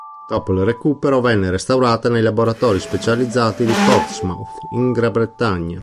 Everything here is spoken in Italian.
Dopo il recupero venne restaurata nei laboratori specializzati di Portsmouth in Gran Bretagna.